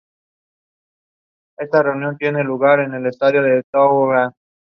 Durante esta campaña, su tío, Francisco de Borbón, duque de Beaufort, fue asesinado.